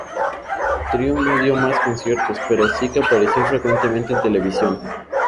Trio no dio más conciertos, pero sí que apareció frecuentemente en televisión.